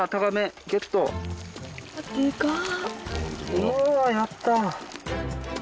・うわやった！